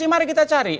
ini mari kita cari